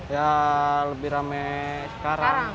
ya lebih ramai sekarang